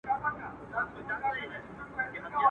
د تصویر پښتو ته ولوېدم په خیال کي.